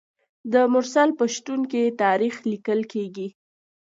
د مرسل په شتون کې تاریخ لیکل کیږي.